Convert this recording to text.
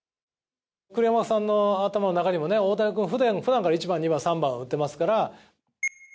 栗山さんの頭にも大谷君は普段から１番、２番、３番を打ってますから。